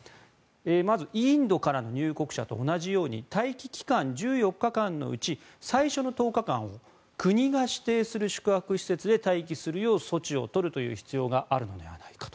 まずインドから入国者と同じように待機期間１４日間のうち最初の１０日間を国が指定する宿泊施設で待機するよう措置を取るという必要があるのではないかと。